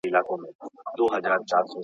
تاسي باید په خپل ځان کې د لوبې جرئت پیدا کړئ.